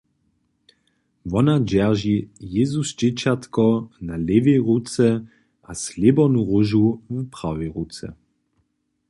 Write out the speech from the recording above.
Wona dźerži Jězusdźěćatko na lěwej ruce a slěbornu róžu w prawej ruce.